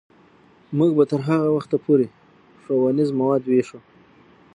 موږ به تر هغه وخته پورې ښوونیز مواد ویشو.